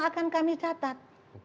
akan kami catat